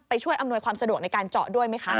ช่วยอำนวยความสะดวกในการเจาะด้วยไหมคะ